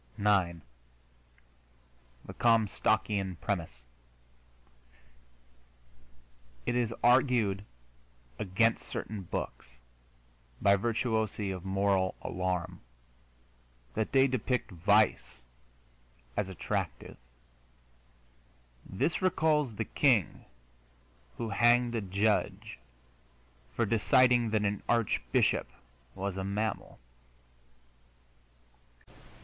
IX THE COMSTOCKIAN PREMISS It is argued against certain books, by virtuosi of moral alarm, that they depict vice as attractive. This recalls the king who hanged a judge for deciding that an archbishop was a mammal.